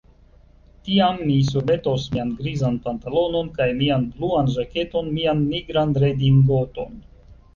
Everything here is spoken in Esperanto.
Tiam mi surmetos mian grizan pantalonon kaj mian bluan ĵaketon mian nigran redingoton.